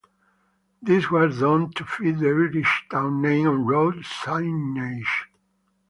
This was done to fit the Irish town name on road signage.